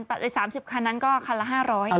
ใน๓๐คันนั้นก็คันละ๕๐๐บาท